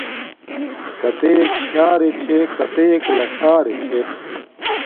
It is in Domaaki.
کتݵَک شݳرݺ چھݺ کتݵَک لڞݳرݺ چھݺ.